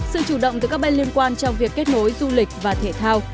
sự chủ động từ các bên liên quan trong việc kết nối du lịch và thể thao